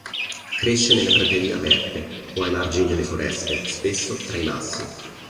Cresce nelle praterie aperte o ai margini delle foreste, spesso tra i massi.